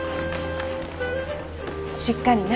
しっかりな。